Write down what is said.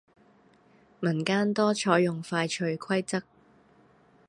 民間多採用快脆規則